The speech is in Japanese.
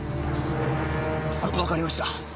わかりました。